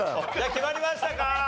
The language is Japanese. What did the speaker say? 決まりました。